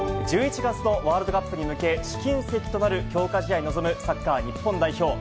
１１月のワールドカップに向け、試金石となる強化試合に臨むサッカー日本代表。